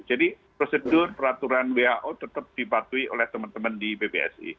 jadi prosedur peraturan who tetap dipatuhi oleh teman teman di bpsi